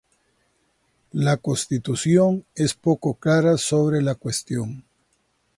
La Constitución es poco clara sobre la cuestión.